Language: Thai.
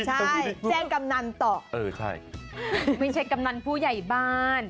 ใช่แจ้งกำนันต่อเออใช่ไม่ใช่กำนันผู้ใหญ่บ้าน